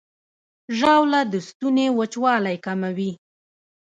ژاوله د ستوني وچوالی کموي.